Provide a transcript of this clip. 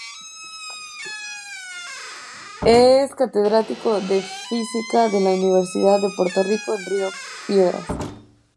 Es catedrático de Física de la Universidad de Puerto Rico en Río Piedras.